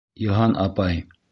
Йыһан апай!